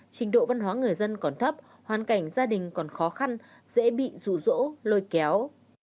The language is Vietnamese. trình độ văn hóa người dân còn thấp hoàn cảnh gia đình còn khó khăn dễ bị rủ rỗ lôi kéo